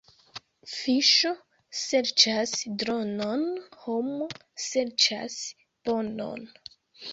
Fiŝo serĉas dronon, homo serĉas bonon.